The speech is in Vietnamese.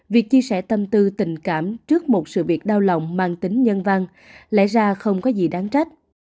việc chia sẻ tâm tư tình cảm trước một sự việc đau lòng mang tính nhân văn lẽ ra không có gì đáng trách